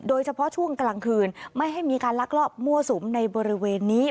โดยเฉพาะช่วงกลางคืนไม่ให้มีการลักลอบมั่วสุมในบริเวณนี้